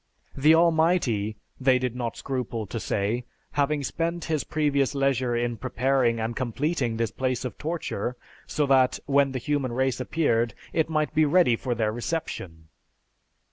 The Almighty,' they did not scruple to say, 'having spent his previous leisure in preparing and completing this place of torture, so that, when the human race appeared, it might be ready for their reception.'